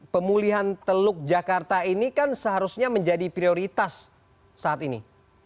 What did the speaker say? pemulihan teluk jakarta ini kan seharusnya menjadi prioritas saat ini